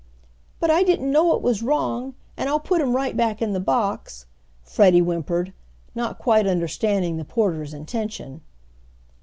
"But I didn't know it was wrong, and I'll put him right back in the box," Freddie whimpered, not quite understanding the porter's intention.